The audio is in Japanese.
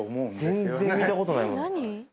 全然見たことないもん